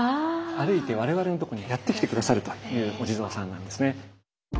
歩いて我々のとこにやって来て下さるというお地蔵さんなんですね。